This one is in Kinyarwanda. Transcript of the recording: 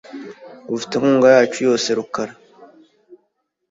Ufite inkunga yacu yose, rukara .